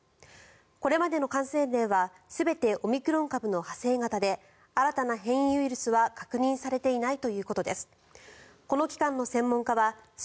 これまでの感染例は全てオミクロン株の派生型で新たな変異ウイルスは確認されていないということです。